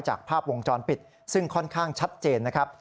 จากภาพวงจรปิดซึ่งค่อนข้างชัดเจนนะครับ